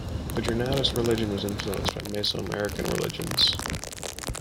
The Jornada's religion was influenced by Mesoamerican religions.